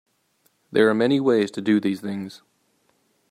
There are many ways to do these things.